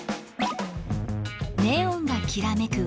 ネオンがきらめく